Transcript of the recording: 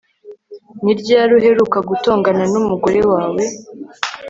Ni ryari uheruka gutongana numugore wawe